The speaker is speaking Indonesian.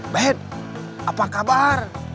ben apa kabar